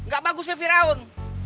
gak bagusnya fir'aun